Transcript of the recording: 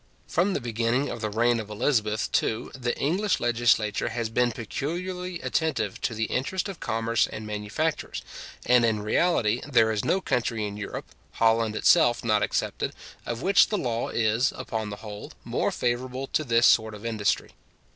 From the beginning of the reign of Elizabeth, too, the English legislature has been peculiarly attentive to the interest of commerce and manufactures, and in reality there is no country in Europe, Holland itself not excepted, of which the law is, upon the whole, more favourable to this sort of industry.